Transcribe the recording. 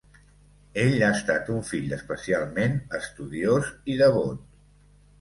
Ell ha estat un fill especialment estudiós i devot.